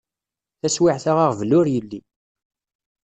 Taswiεt-a aɣbel ur yelli.